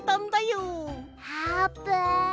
あーぷん。